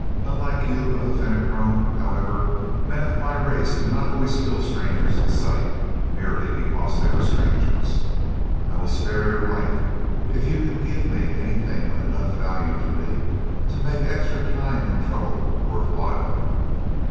Unlike you of the Fenachrone, however, men of my race do not always kill strangers at sight, merely because they are strangers. I will spare your life, if you can give me anything of enough value to me to make extra time and trouble worth while."